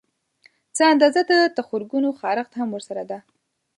څه اندازه د تخرګو خارښت هم ورسره ده